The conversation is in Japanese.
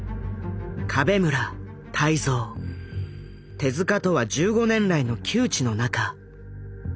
手とは１５年来の旧知の仲。